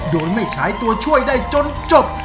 โดยไม่ใช้ตัวช่วยได้จนจบ